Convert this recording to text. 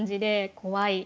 怖い。